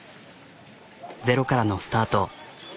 ゼロからのスタート。